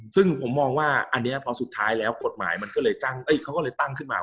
ซึ่งผมมองว่าอันนี้พอสุดท้ายแล้วกฎหมายมันก็เลยตั้งขึ้นมาว่า